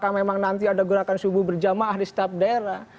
apakah memang nanti ada gerakan subuh berjamaah di setiap daerah